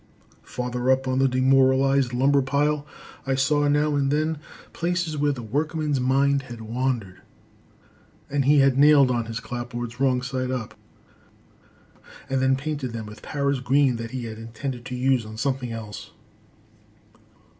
Farther up on the demoralized lumber pile I saw, now and then, places where the workman's mind had wandered and he had nailed on his clapboards wrong side up, and then painted them with Paris green that he had intended to use on something else.